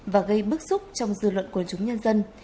và gây bức xúc trong dư luận quần chúng nhân dân